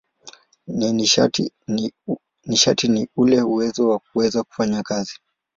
Nishati ni ule uwezo wa kuweza kufanya kazi.